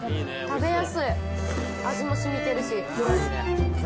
食べやすい味も染みてるし。